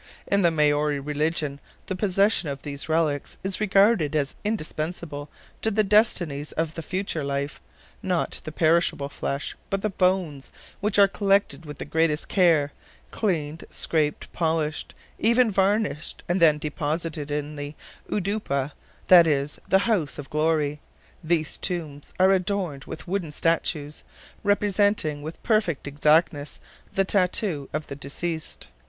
In the Maori religion the possession of these relics is regarded as indispensable to the destinies of the future life; not the perishable flesh, but the bones, which are collected with the greatest care, cleaned, scraped, polished, even varnished, and then deposited in the "oudoupa," that is the "house of glory." These tombs are adorned with wooden statues, representing with perfect exactness the tattoo of the deceased.